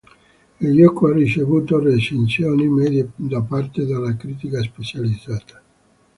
Il gioco ha ricevuto recensioni medie da parte della critica specializzata.